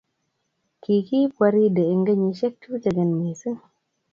kikiib Waridi eng' kenyisiek tutegen mising